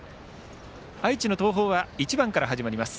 愛知の東邦は１番から始まります。